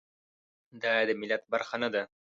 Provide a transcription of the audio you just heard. دای د ملت برخه نه ده.